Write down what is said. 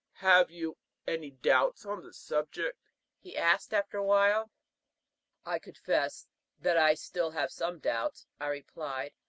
"Have you any doubts on the subject?" he asked, after a while. "I must confess that I still have some doubts," I replied.